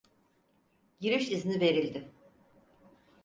Giriş izni verildi.